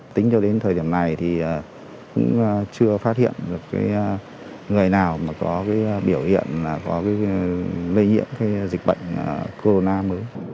tính cho đến thời điểm này thì cũng chưa phát hiện được cái người nào mà có cái biểu hiện là có cái lây nhiễm cái dịch bệnh corona mới